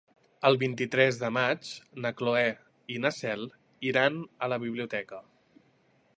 El vint-i-tres de maig na Cloè i na Cel iran a la biblioteca.